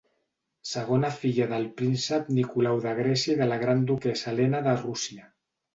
Segona filla del príncep Nicolau de Grècia i de la gran duquessa Helena de Rússia.